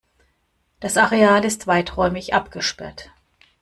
Das Areal ist weiträumig abgesperrt.